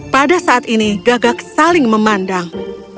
pada saat ini gagak saling memandang